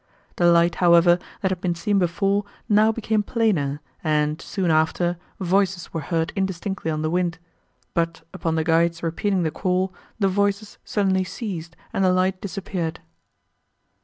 The light, however, that had been seen before, now became plainer, and, soon after, voices were heard indistinctly on the wind; but, upon the guides repeating the call, the voices suddenly ceased, and the light disappeared.